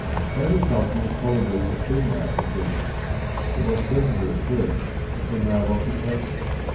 Agriculture was probably a female invention; it was certainly at first a female occupation.